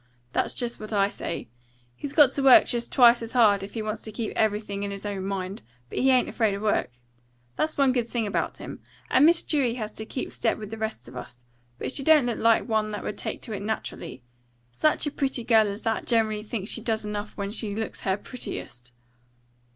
That's just what I say. He's got to work just twice as hard, if he wants to keep everything in his own mind. But he ain't afraid of work. That's one good thing about him. And Miss Dewey has to keep step with the rest of us. But she don't look like one that would take to it naturally. Such a pretty girl as that generally thinks she does enough when she looks her prettiest."